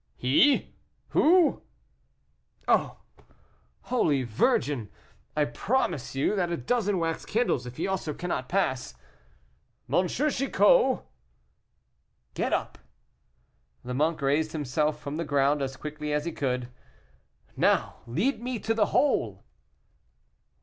"He! who?" "Oh! Holy Virgin, I promise you a dozen wax candles, if he also cannot pass." "M. Chicot!" "Get up." The monk raised himself from the ground as quickly as he could. "Now lead me to the hole."